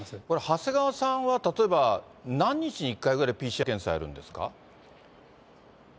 長谷川さんは、例えば何日に一回ぐらいＰＣＲ検査やるんですか？